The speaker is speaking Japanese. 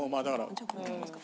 じゃあこれでいきますか？